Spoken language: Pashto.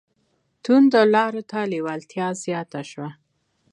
توندو لارو ته لېوالتیا زیاته شوه